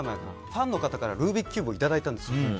ファンの方からルービックキューブをいただいたんです。